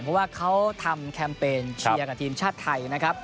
เพราะว่าเขาทำแคมเปญเชียร์กับทีมชาติไทยนะครับ